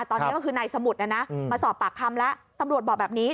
ตอนนี้ก็คือนายสมุทรมาสอบปากคำแล้วตำรวจบอกแบบนี้